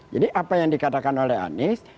jadi apa yang dikatakan oleh anies